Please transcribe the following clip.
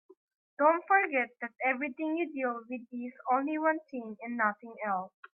Don't forget that everything you deal with is only one thing and nothing else.